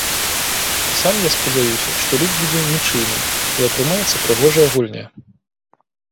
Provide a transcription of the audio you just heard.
Сам я спадзяюся, што лік будзе нічыйным і атрымаецца прыгожая гульня.